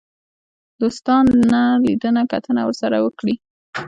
دوستانه لیدنه کتنه ورسره وکړي.